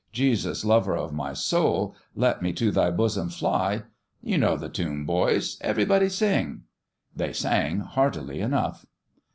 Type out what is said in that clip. Jesus, lover of my soul, let me to Thy bosom fly. You know the tune, boys. Everybody sing " they sang heartily enough.